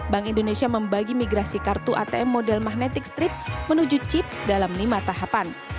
bank indonesia membagi migrasi kartu atm model magnetic strip menuju chip dalam lima tahapan